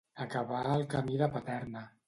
Acabar al camí de Paterna.